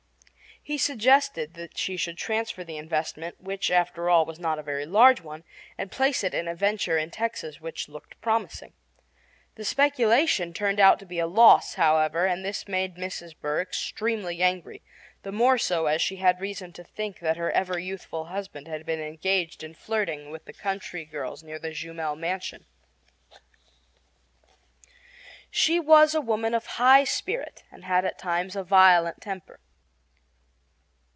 He suggested that she should transfer the investment, which, after all, was not a very large one, and place it in a venture in Texas which looked promising. The speculation turned out to be a loss, however, and this made Mrs. Burr extremely angry, the more so as she had reason to think that her ever youthful husband had been engaged in flirting with the country girls near the Jumel mansion. She was a woman of high spirit and had at times a violent temper.